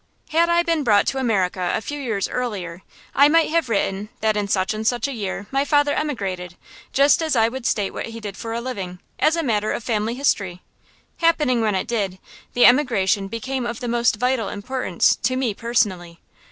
Had I been brought to America a few years earlier, I might have written that in such and such a year my father emigrated, just as I would state what he did for a living, as a matter of family history. Happening when it did, the emigration became of the most vital importance to me personally.